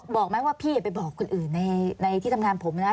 บอกไหมว่าพี่อย่าไปบอกคนอื่นในที่ทำงานผมนะ